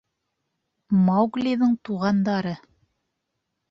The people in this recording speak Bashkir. МАУГЛИҘЫҢ ТУҒАНДАРЫ